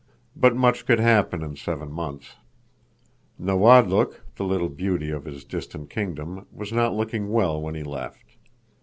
But much could happen in seven months. Nawadlook, the little beauty of his distant kingdom, was not looking well when he left.